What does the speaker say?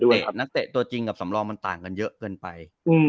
นักเตะตัวจริงกับสำรองมันต่างกันเยอะเกินไป